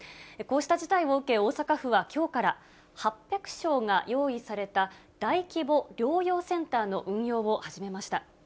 こうした事態を受け、大阪府はきょうから８００床が用意された大規模療養センターの運用を始めました。